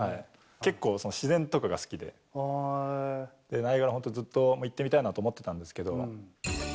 結構、自然とかが好きで、ナイアガラ、本当、ずっと行ってみたいなと思ってたんですけど。